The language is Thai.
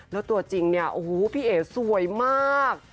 แล้วตัวจริงพี่เอ๋สวยมาก